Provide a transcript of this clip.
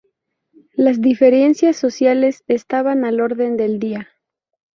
Las diferencias sociales estaban al orden del día.